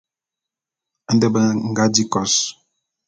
Nde be nga di kos.